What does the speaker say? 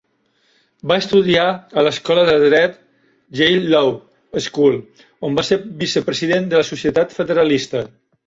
Va estudiar a l'escola de dret Yale Law School, on va ser vicepresident de la societat federalista.